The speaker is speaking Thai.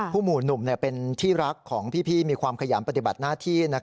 หมู่หนุ่มเป็นที่รักของพี่มีความขยันปฏิบัติหน้าที่